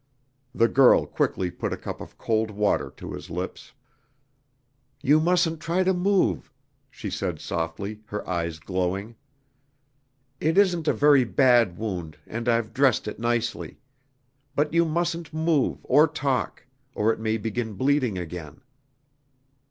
The girl quickly put a cup of cold water to his lips. "You mustn't try to move," she said softly, her eyes glowing. "It isn't a very bad wound, and I've dressed it nicely. But you mustn't move or talk or it may begin bleeding again."